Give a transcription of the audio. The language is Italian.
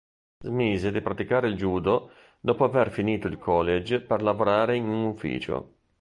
Smise di praticare judo dopo aver finito il college per lavorare in un ufficio.